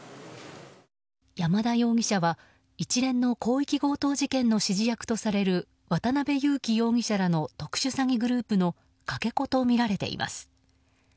山田容疑者は一連の広域強盗事件の指示役とされる渡辺優樹容疑者らの特殊詐欺グループのかけ子とみられています。